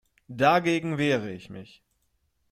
Dagegen wehre ich mich.